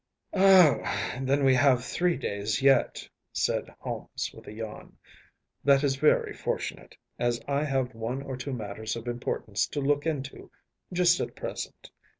‚ÄĚ “Oh, then we have three days yet,‚ÄĚ said Holmes with a yawn. “That is very fortunate, as I have one or two matters of importance to look into just at present.